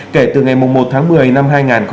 kể từ ngày một tháng một mươi năm hai nghìn hai mươi một